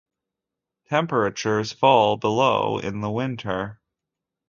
Temperatures fall below in the winter.